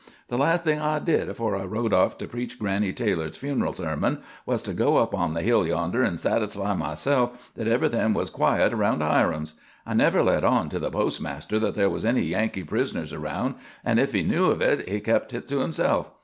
The last thing I did afore I rode off to preach Granny Taylor's funeral sermon was to go up on the hill yonder an' satisfy myself that everything was quiet around Hiram's. I never let on to the postmaster that there was any Yankee prisoners around, an' if he knew of hit, he kept hit to hisself.